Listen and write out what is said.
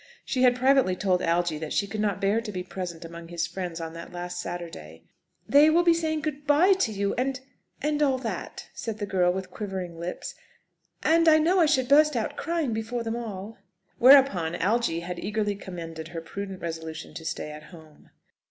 She had privately told Algy that she could not bear to be present among his friends on that last Saturday. "They will be saying 'Good bye' to you, and and all that," said the girl, with quivering lips. "And I know I should burst out crying before them all." Whereupon Algy had eagerly commended her prudent resolution to stay at home.